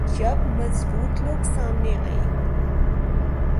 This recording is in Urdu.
جب مضبوط لوگ سامنے آئیں۔